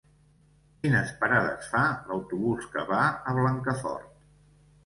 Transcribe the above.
Quines parades fa l'autobús que va a Blancafort?